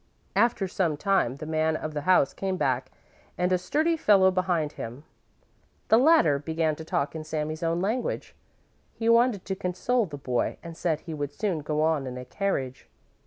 After some time the man of the house came back and a sturdy fellow behind him. The latter began to talk in Sami's own language. He wanted to console the boy and said he would soon go on in a carriage.